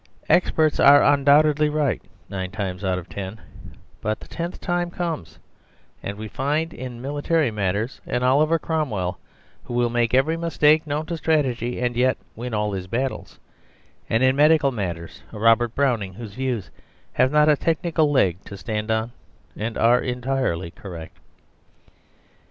Experts are undoubtedly right nine times out of ten, but the tenth time comes, and we find in military matters an Oliver Cromwell who will make every mistake known to strategy and yet win all his battles, and in medical matters a Robert Browning whose views have not a technical leg to stand on and are entirely correct.